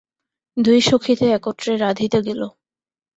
দুই সখীতে একত্রে রাঁধিতে গেল।